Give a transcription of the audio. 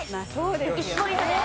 １ポイントです。